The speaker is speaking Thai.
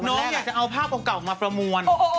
น้องอยากจะเอาภาพเก่ามาประมวล